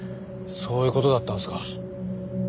そういう事だったんですか。